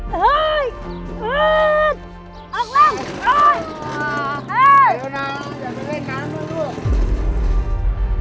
เฮ้ยเดี๋ยวน้ำอย่าไปเล่นน้ำนะลูกลูก